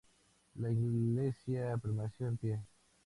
La iglesia permaneció en pie.